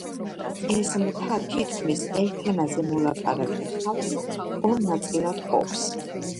ეს მთა თითქმის ერთ ენაზე მოლაპარაკე ხალხს ორ ნაწილად ყოფს.